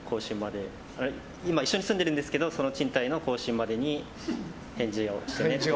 今、一緒に住んでるんですけどその賃貸の更新までに返事をしてねと。